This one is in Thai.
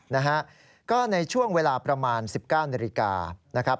นะฮะก็ในช่วงเวลาประมาณ๑๙นาฬิกานะครับ